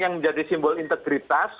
yang menjadi simbol integritas